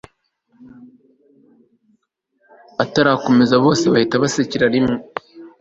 atarakomeza bose bahita basekera rimwe